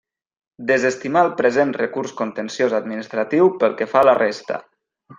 Desestimar el present recurs contenciós administratiu pel que fa a la resta.